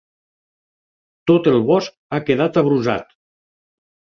Tot el bosc ha quedat abrusat.